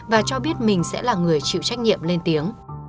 và cho biết mình sẽ là người chịu trách nhiệm lên tiếng